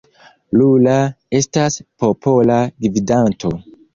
Lula estas popola gvidanto.